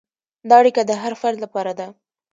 دا اړیکه د هر فرد لپاره ده.